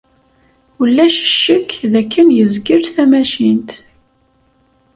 Ulac ccekk dakken yezgel tamacint.